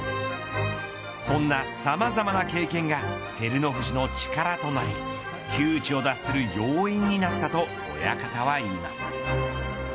そんなさまざまな経験が照ノ富士の力となり窮地を脱する要因になったと親方はいいます。